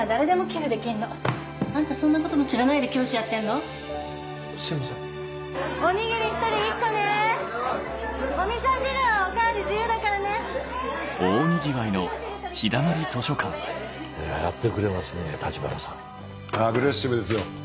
アグレッシブですよ。